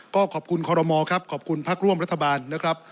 ก็ขอบคุณคอรมอครับขอบคุณพักร่วมรัฐบาลนะครับ